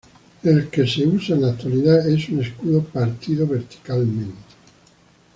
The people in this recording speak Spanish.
El que se usa en la actualidad es un escudo partido verticalmente.